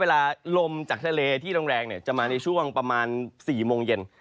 ลมจากทะเลที่แรงเนี่ยจะมาในช่วงประมาณ๔โมงเย็น